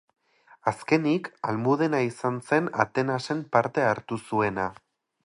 Azkenik, Almudena izan zen Atenasen parte hartu zuena.